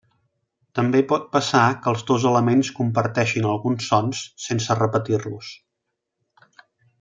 També pot passar que els dos elements comparteixin alguns sons, sense repetir-los.